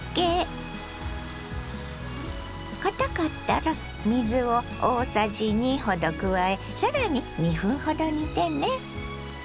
かたかったら水を大さじ２ほど加え更に２分ほど煮てね。